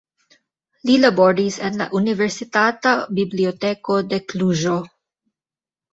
Li laboris en la Universitata Biblioteko de Kluĵo.